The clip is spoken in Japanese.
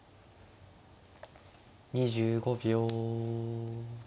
２５秒。